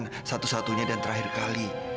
bukan satu satunya dan terakhir kali